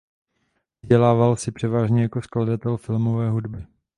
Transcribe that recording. Vydělával si převážně jako skladatel filmové hudby.